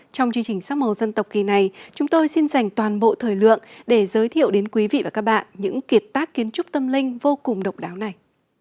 trong chương trình sắc màu dân tộc kỳ này chúng tôi xin dành toàn bộ thời lượng để giới thiệu đến quý vị và các bạn những kiệt tác kiến trúc tâm linh vô cùng độc đáo này